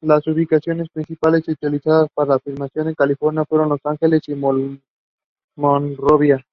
The song became regularly performed by official choirs and broadcast on North Korean television.